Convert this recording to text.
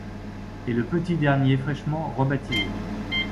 Et le petit dernier fraîchement re-baptisé.